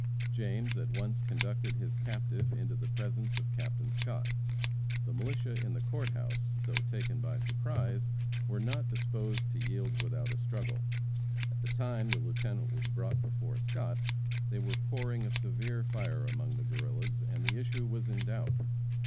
James at once conducted his captive into the presence of Captain Scott. The militia in the Court house, though taken by surprise, were not disposed to yield without a struggle. At the time the Lieutenant was brought before Scott, they were pouring a severe fire among the Guerrillas, and the issue was in doubt.